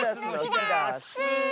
ダス！